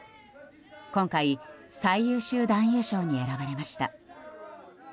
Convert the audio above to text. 今回、最優秀男優賞に選ばれました。